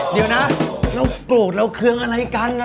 อ๋อเดี๋ยวนะน้องโกรธเราเครื่องอะไรกัน